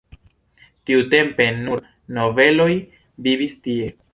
Tiutempe nur nobeloj vivis tie.